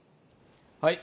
はい。